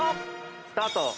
スタート。